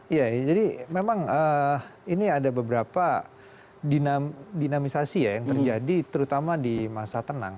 iya jadi memang ini ada beberapa dinamisasi ya yang terjadi terutama di masa tenang